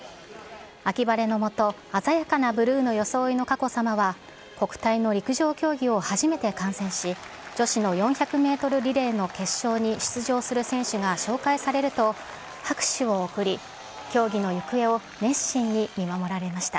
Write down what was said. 秋晴れのもと、鮮やかなブルーの装いの佳子さまは、国体の陸上競技を初めて観戦し、女子の４００メートルリレーの決勝に出場する選手が紹介されると、拍手を送り、競技の行方を熱心に見守られました。